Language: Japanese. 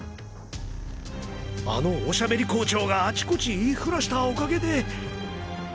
あのおしゃべり校長がアチコチ言い触らしたおかげで。